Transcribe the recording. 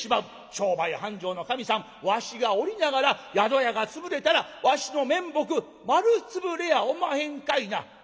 商売繁盛の神さんわしがおりながら宿屋が潰れたらわしの面目丸潰れやおまへんかいなあほ』と出ておりま」。